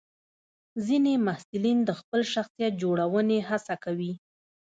ځینې محصلین د خپل شخصیت جوړونې هڅه کوي.